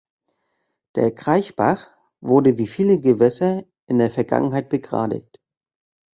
Der Kraichbach wurde wie viele Gewässer in der Vergangenheit begradigt.